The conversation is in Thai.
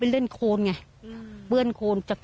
ป้าของน้องธันวาผู้ชมข่าวอ่อน